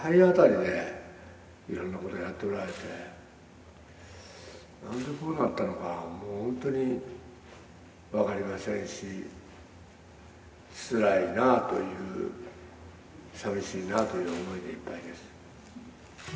なんでこうなったのか、もう本当に分かりませんし、つらいなという、寂しいなという思いでいっぱいです。